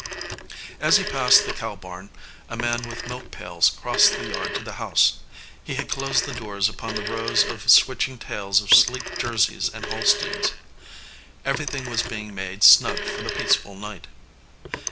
As he passed the cow barn a man with milk pails crossed the yard to the house. He had closed the doors upon the rows of switching tails of sleek Jerseys and Holsteins. Everything was being made snug for the peaceful night.